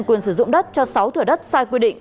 quyền sử dụng đất cho sáu thửa đất sai quy định